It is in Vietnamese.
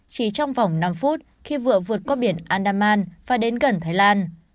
chỉ trong vòng năm phút khi vừa vượt qua biển andaman và đến gần thái lan